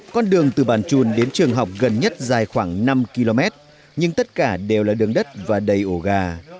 con đường từ bản trùn đến trường học gần nhất dài khoảng năm km nhưng tất cả đều là đường đất và đầy ổ gà